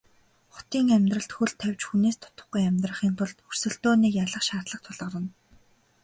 Хотын амьдралд хөл тавьж хүнээс дутахгүй амьдрахын тулд өрсөлдөөнийг ялах шаардлага тулгарна.